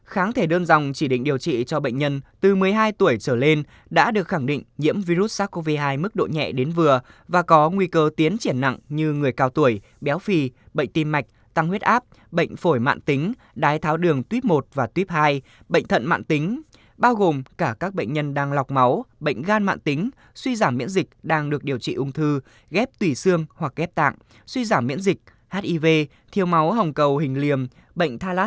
kháng thể đơn dòng chỉ định điều trị cho bệnh nhân từ một mươi hai tuổi trở lên đã được khẳng định nhiễm virus sars cov hai mức độ nhẹ đến vừa và có nguy cơ tiến triển nặng như người cao tuổi béo phì bệnh tim mạch tăng huyết áp bệnh phổi mạng tính đái tháo đường tuyếp một và tuyếp hai bệnh thận mạng tính bao gồm cả các bệnh nhân đang lọc máu bệnh gan mạng tính suy giảm miễn dịch đang được điều trị ung thư ghép tủy xương hoặc ghép tạng suy giảm miễn dịch hiv thiêu máu hồng cầu hình liềm b